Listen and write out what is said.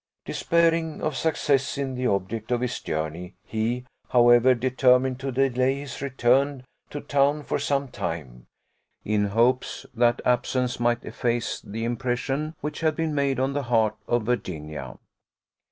Despairing of success in the object of his journey, he, however, determined to delay his return to town for some time, in hopes that absence might efface the impression which had been made on the heart of Virginia.